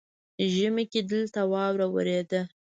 ژمي کې دلته واوره ورېده